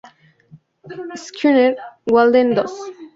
Skinner: "Walden Dos".